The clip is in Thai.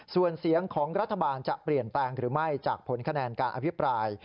ส่วนเสียงของรัฐบาลจะเปลี่ยนแปลงหรือไม่จากผลคะแนนการอภิปราย